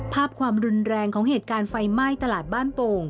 ความรุนแรงของเหตุการณ์ไฟไหม้ตลาดบ้านโป่ง